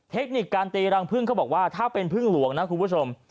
เทคนิคการตีรังพึ่งเขาบอกว่าถ้าเป็นพึ่งหลวงนะคุณผู้ชม